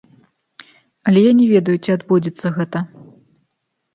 Але я не ведаю, ці адбудзецца гэта.